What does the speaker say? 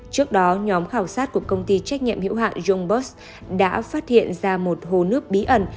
trước đó nhóm khảo sát của công ty trách nhiệm hiệu hạn yongbot đã phát hiện ra một hồ nước bí ẩn